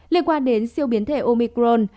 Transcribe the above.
liên quan đến siêu biến thể omicron